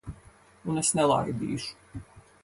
Un es nelaidīšu.